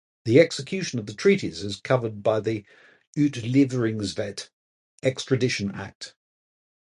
The execution of the treaties is governed by the "Uitleveringswet" (Extradition Act).